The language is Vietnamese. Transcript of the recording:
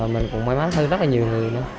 mình cũng may mắn hơn rất là nhiều người nữa